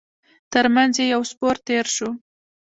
تر مينځ يې يو سپور تېر شو.